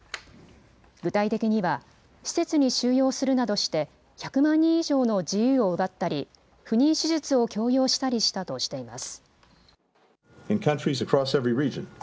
具体的には施設に収容するなどして１００万人以上の自由を奪ったり不妊手術を強要したりしたとしています。